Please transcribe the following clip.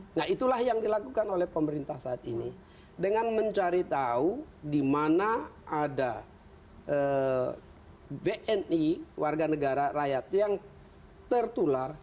nah itulah yang dilakukan oleh pemerintah saat ini dengan mencari tahu di mana ada bni warga negara rakyat yang tertular